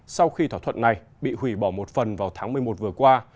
sau khi thỏa thuận này bị hủy bỏ một phần vào tháng một mươi một vừa qua